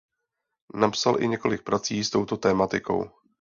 Napsal i několik prací s touto tematikou.